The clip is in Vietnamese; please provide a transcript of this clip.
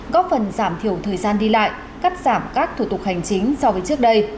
góp phần giảm thiểu thời gian đi lại cắt giảm các thủ tục hành chính so với trước đây